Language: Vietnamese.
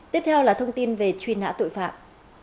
tiếp theo là thông tin về truy nã tội phạm